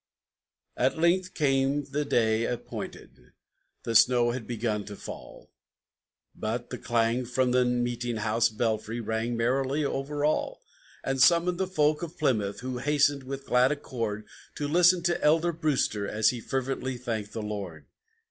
At length came the day appointed: the snow had begun to fall, But the clang from the meeting house belfry rang merrily over all, And summoned the folk of Plymouth, who hastened with glad accord To listen to Elder Brewster as he fervently thanked the Lord.